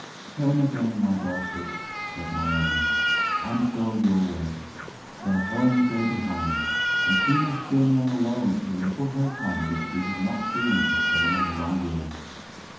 "Turn again, my daughters," said Naomi, "and go your way." Their homes lay behind, and she must journey on alone to the little hill town which she had not seen for so many long years.